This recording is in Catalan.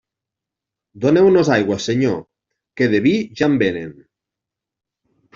Doneu-nos aigua, Senyor, que de vi ja en venen.